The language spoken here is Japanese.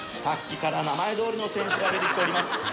さっきから名前どおりの選手が出てきております。